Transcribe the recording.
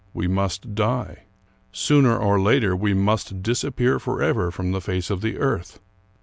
We must die. Sooner or later, we must disappear forever from the face of the earth.